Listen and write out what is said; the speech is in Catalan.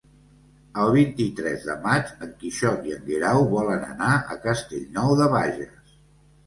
El vint-i-tres de maig en Quixot i en Guerau volen anar a Castellnou de Bages.